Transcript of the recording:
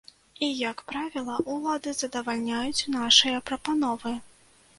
І як правіла ўлады задавальняюць нашыя прапановы.